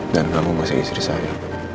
dan kamu masih istri saya